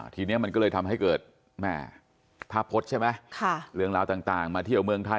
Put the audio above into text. ทีนี้มันก็เลยทำให้เกิดแม่ท่าพจน์ใช่ไหมเรื่องราวต่างมาเที่ยวเมืองไทย